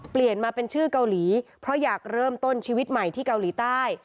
เปลี่ยนมาเป็นชื่อเกาหลีเพราะอยากเริ่มต้นชีวิตใหม่ที่เกาหลีใต้